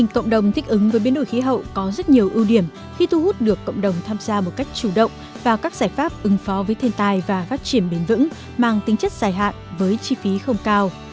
cộng đồng thích ứng với biến đổi khí hậu có rất nhiều ưu điểm khi thu hút được cộng đồng tham gia một cách chủ động vào các giải pháp ứng phó với thiên tai và phát triển bền vững mang tính chất dài hạn với chi phí không cao